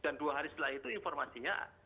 dan dua hari setelah itu informasinya